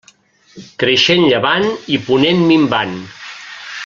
Creixent llevant i ponent minvant.